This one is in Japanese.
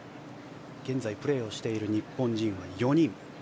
現在、プレーをしている日本人は４人。